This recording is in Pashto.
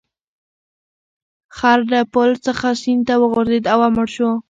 خر له پل څخه سیند ته وغورځید او مړ شو.